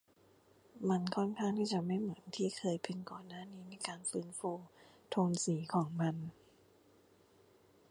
มันค่อนข้างที่จะไม่เหมือนที่เคยเป็นก่อนหน้านี้ในการฟื้นฟูโทนสีของมัน